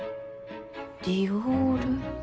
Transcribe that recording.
「ディオール」？